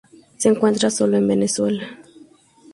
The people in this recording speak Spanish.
Se encuentra sólo en Venezuela.